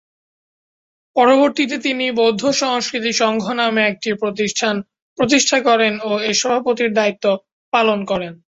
পরবর্তিতে তিনি ‘বৌদ্ধ সংস্কৃতি সঙ্ঘ’ নামে একটি প্রতিষ্ঠান প্রতিষ্ঠা করেন ও এর সভাপতির দায়িত্ব পালন করেন।